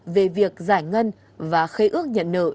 về việc giải ngân và khế ước nhận nợ